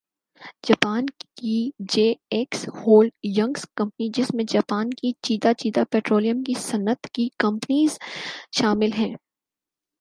Japan کی J X holdings company جس میں جاپان کی چیدہ چیدہ پٹرولیم کی صنعت کی کمپنیز شامل ہیں